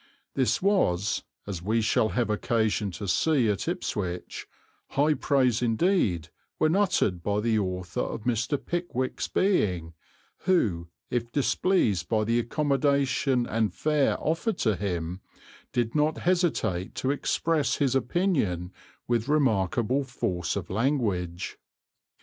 This was, as we shall have occasion to see at Ipswich, high praise indeed when uttered by the author of Mr. Pickwick's being, who, if displeased by the accommodation and fare offered to him, did not hesitate to express his opinion with remarkable force of language.